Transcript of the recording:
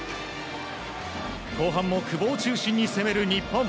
後半も久保を中心に攻める日本。